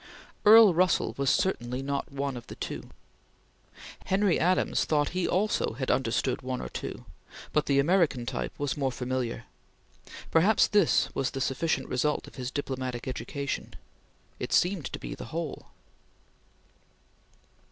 Earl Russell was certainly not one of the two. Henry Adams thought he also had understood one or two; but the American type was more familiar. Perhaps this was the sufficient result of his diplomatic education; it seemed to be the whole.